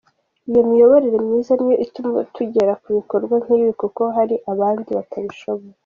Iyo miyoborere myiza niyo ituma tugera ku bikorwa nk’ibi kuko hari abandi batabishobora.”